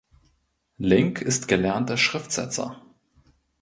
Link ist gelernter Schriftsetzer.